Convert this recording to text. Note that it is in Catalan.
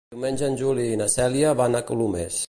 Diumenge en Juli i na Cèlia van a Colomers.